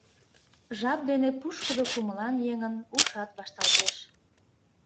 Жап дене пушкыдо кумылан еҥын ушат вашталтеш.